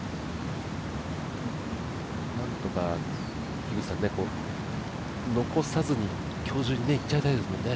なんとか、残さずに今日中にいっちゃいたいですね。